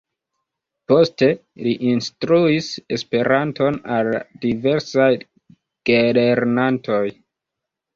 Poste, li instruis Esperanton al diversaj gelernantoj.